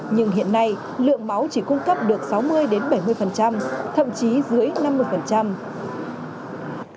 lượng máu chỉ cung cấp được sáu mươi đến bảy mươi thậm chí dưới năm mươi